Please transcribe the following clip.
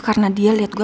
karena dia liat gue